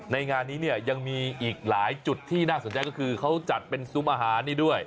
งานนี้เนี่ยยังมีอีกหลายจุดที่น่าสนใจก็คือเขาจัดเป็นซุ้มอาหารนี่ด้วย